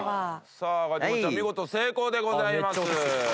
さあガチもっちゃん見事成功でございます。